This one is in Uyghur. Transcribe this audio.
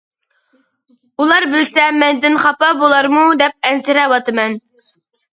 ئۇلار بىلسە مەندىن خاپا بۇلارمۇ دەپ ئەنسىرەۋاتىمەن.